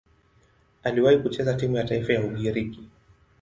Aliwahi kucheza timu ya taifa ya Ugiriki.